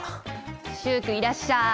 習君いらっしゃい！